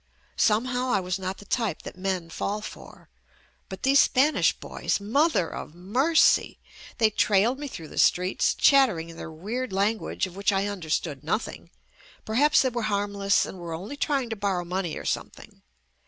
Somehow I was not the type that men fall for. But these Spanish boys — Mother of Mercy! They trailed me through the streets, chattering in their weird language of which I understood nothing. Perhaps they were harmless and were only trying to borrow money or some thing.